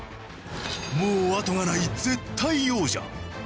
もう後がない絶対王者。